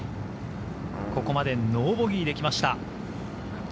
ここまでノーボギーできました。